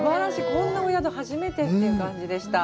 こんなお宿初めてという感じでした。